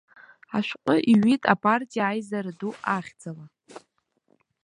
Ашәҟәы иҩит апартиа аизара ду ахьӡала.